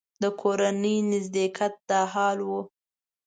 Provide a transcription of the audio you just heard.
د کورني نږدېکت دا حال و.